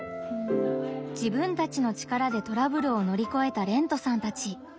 自分たちの力でトラブルをのりこえたれんとさんたち。